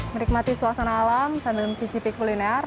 menikmati suasana alam sambil mencicipi kuliner